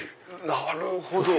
なるほど！